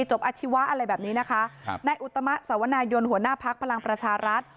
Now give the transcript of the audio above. อาชีวะอะไรแบบนี้นะคะครับนายอุตมะสวนายนหัวหน้าพักพลังประชารัฐ